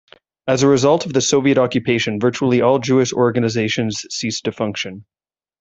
As a result of the Soviet occupation, virtually all Jewish organizations ceased to function.